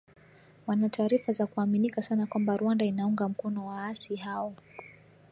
Wana taarifa za kuaminika sana kwamba Rwanda inaunga mkono waasi hao